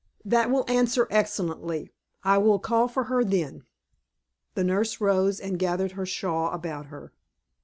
"That will answer excellently. I will call for her then." The nurse rose, and gathered her shawl about her.